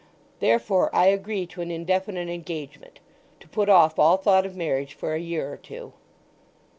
Therefore I agree to an indefinite engagement—to put off all thought of marriage for a year or two."